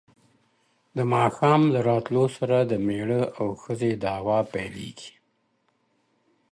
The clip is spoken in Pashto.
د ماښام له راتلو سره د مېړه او ښځې دعوې پیلېږي.